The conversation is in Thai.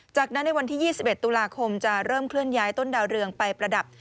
จากนั้นในวันที่๒๑ตุลาคมจะเริ่มเคลื่อนย้ายต้นดาวเรืองไปประดับ